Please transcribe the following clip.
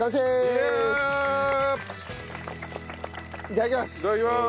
いただきます。